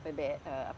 ini sudah terbang